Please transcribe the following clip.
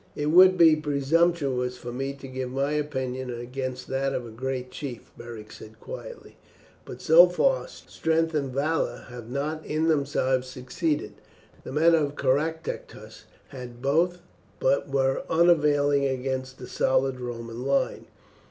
"It would be presumptuous for me to give my opinion against that of a great chief," Beric said quietly; "But, so far, strength and valour have not in themselves succeeded. The men of Caractacus had both, but they were unavailing against the solid Roman line.